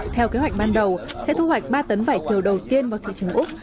theo kế hoạch ban đầu sẽ thu hoạch ba tấn vải thiều đầu tiên vào thị trường úc